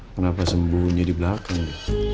kenapa sembunyi di belakang